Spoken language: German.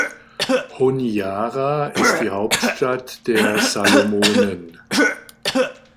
Honiara ist die Hauptstadt der Salomonen.